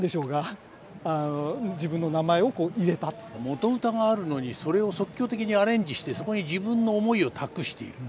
元歌があるのにそれを即興的にアレンジしてそこに自分の思いを託している。